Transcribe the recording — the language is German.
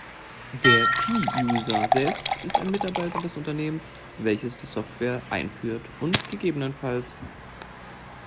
Der Key-User selbst ist ein Mitarbeiter des Unternehmens, welches die Software einführt und ggf.